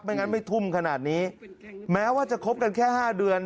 งั้นไม่ทุ่มขนาดนี้แม้ว่าจะคบกันแค่๕เดือน